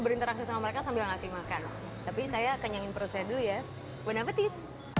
berinteraksi sama mereka sambil ngasih makan tapi saya kenyangin perut saya dulu ya buenapetit